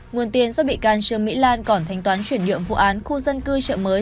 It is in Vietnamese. nguồn tiền do bị can trương mỹ lan còn thanh toán chuyển nhượng vụ án khu dân cư chợ mới